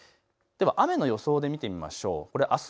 雨の予想で見てみましょう。